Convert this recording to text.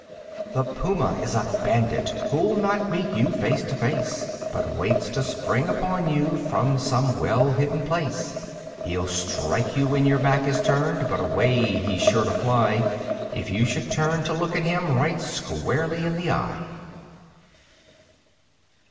The puma is a bandit who'll not meet you face to face But waits to spring upon you from some well hidden place. He'll strike you when your back is turned, but away he's sure to fly If you should turn to look him right squarely in the eye.